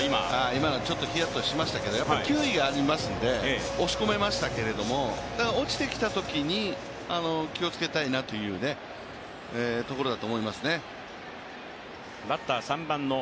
今のちょっとひやっとしましたけど、球威がありますので押し込めましたけれども、落ちてきたときに気を付けたいなというところだと思いますね。